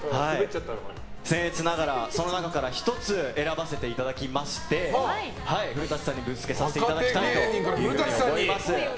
僭越ながらその中から１つ選ばせていただきまして古舘さんにぶつけさせていただきたいと思います。